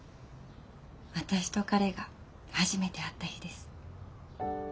私と彼が初めて会った日です。